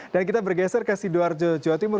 dan kita bergeser ke sidoarjo jawa timur